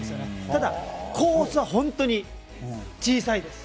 ただ、コースは本当に小さいです。